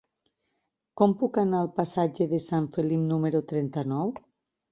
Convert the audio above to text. Com puc anar al passatge de Sant Felip número trenta-nou?